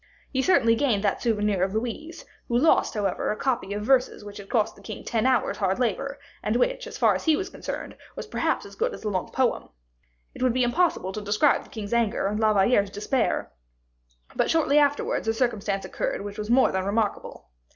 He certainly gained that souvenir of Louise, who lost, however, a copy of verses which had cost the king ten hours' hard labor, and which, as far as he was concerned, was perhaps as good as a long poem. It would be impossible to describe the king's anger and La Valliere's despair; but shortly afterwards a circumstance occurred which was more than remarkable.